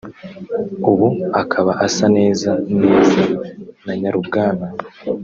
ubu akaba asa neza neza na nyarubwana